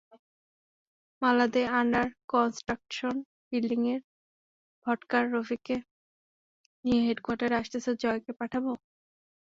মালাদে under construction বিল্ডিংয়ে ভটকার রফিককে নিয়ে হেডকোয়ার্টারে আসতেছে জয়কে পাঠাবো?